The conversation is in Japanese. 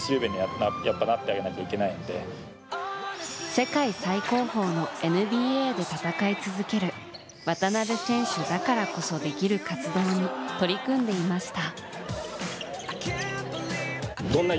世界最高峰のＮＢＡで戦い続ける渡邊選手だからこそできる活動に取り組んでいました。